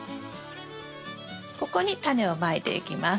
ここにタネをまいていきます。